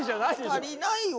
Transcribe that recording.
足りないよ。